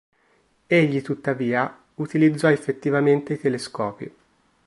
Egli, tuttavia, utilizzò effettivamente i telescopi.